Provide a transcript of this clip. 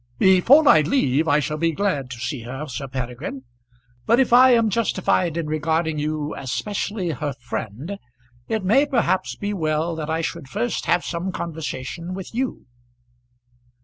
"Before I leave I shall be glad to see her, Sir Peregrine; but if I am justified in regarding you as specially her friend, it may perhaps be well that I should first have some conversation with you."